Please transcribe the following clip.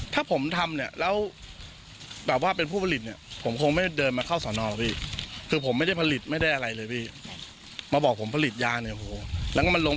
ถ้าผมทำและเป็นผู้ผลิตผมคงไม่เดินมาคราวสนอง